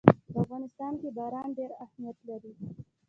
په افغانستان کې باران ډېر اهمیت لري.